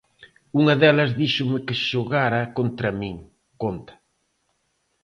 "Unha delas díxome que xogara contra min", conta.